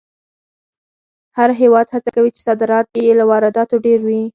هر هېواد هڅه کوي چې صادرات یې له وارداتو ډېر وي.